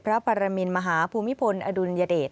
พระปรมินมหาภูมิพลอดุลยเดช